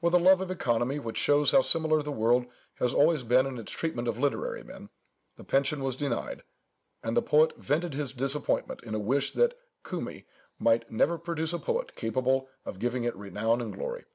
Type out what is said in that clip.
With a love of economy, which shows how similar the world has always been in its treatment of literary men, the pension was denied, and the poet vented his disappointment in a wish that Cumæa might never produce a poet capable of giving it renown and glory.